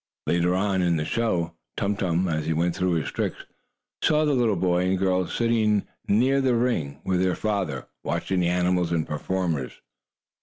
Later on, in the show, Tum Tum, as he went through his tricks, saw the little boy and girl sitting near the ring, with their papa, watching the animals and performers.